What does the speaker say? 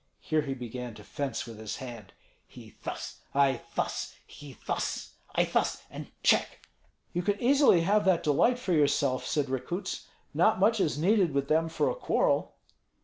Here he began to fence with his hand: "He thus, I thus! He thus, I thus and check!" "You can easily have that delight for yourself," said Rekuts. "Not much is needed with them for a quarrel."